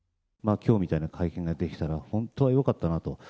今日みたいな会見ができたら本当はよかったなと。